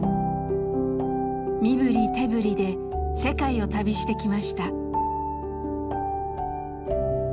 身振り手振りで世界を旅してきました。